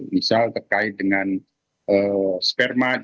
misal terkait dengan sperma